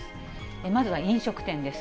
まずは飲食店です。